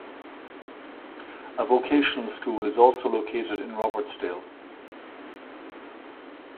A vocational school is also located in Robertsdale.